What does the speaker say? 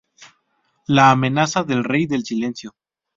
La amenaza del Rey del Silencio".